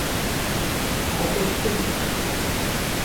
А то ж чому?